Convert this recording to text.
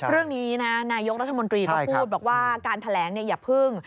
เรื่องนี้นายกรัฐมนตรีเขาพูดว่าการแถลงอย่าเพิ่ง